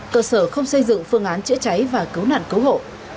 cơ sở không xây dựng phương án chữa cháy và cứu nạn cứu hộ